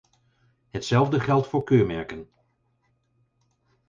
Hetzelfde geldt voor keurmerken.